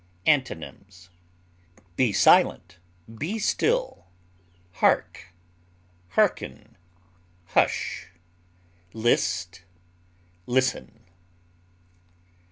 Antonyms: be silent, be still, hark, hearken, hush, list, listen.